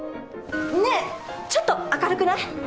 ねっちょっと明るくない？